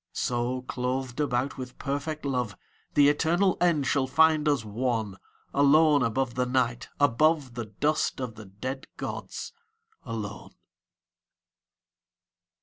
So, clothed about with perfect love, The eternal end shall find us one, Alone above the Night, above The dust of the dead gods, alone.